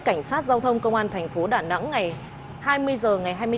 cảnh sát giao thông công an thành phố đà nẵng ngày hai mươi h ngày hai mươi bốn